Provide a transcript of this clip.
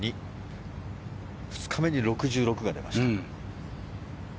２日目に６６が出ました。